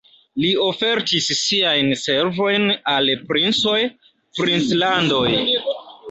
Ili ofertis siajn servojn al princoj, princlandoj.